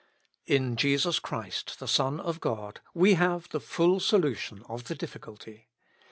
..." In Jesus Christ the Son of God we have the full solution of the difficulty.